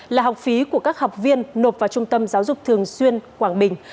là học phí của các học viên nộp vào trung tâm giáo dục thường xuyên quảng bình